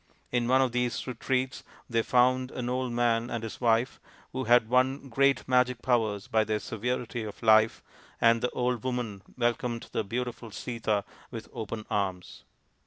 In one of these retreats they found an old man and his wife who had won great magic powers by their severity of life, and the old woman welcomed the beautiful Sita with open arms.